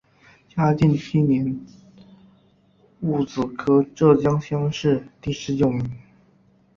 嘉靖七年戊子科浙江乡试第十九名。